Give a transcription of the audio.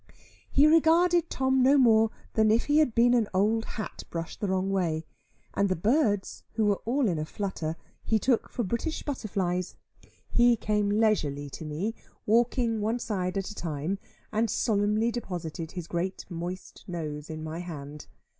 He regarded Tom no more than if he had been an old hat brushed the wrong way; and the birds, who were all in a flutter, he took for British butterflies. He came leisurely to me, walking one side at a time, and solemnly deposited his great moist nose in my hand.